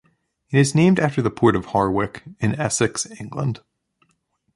It is named after the port of Harwich in Essex, England.